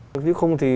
nếu không thì